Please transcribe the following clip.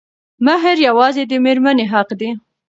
مهر يوازې د مېرمنې حق دی.